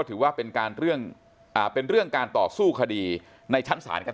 ถือว่าเป็นการเรื่องเป็นเรื่องการต่อสู้คดีในชั้นศาลกัน